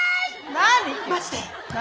何？